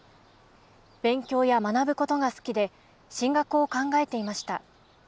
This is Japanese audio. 勉強や学ぶことが好きで進学を考えていました。